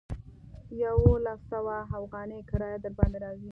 يوولس سوه اوغانۍ کرايه درباندې راځي.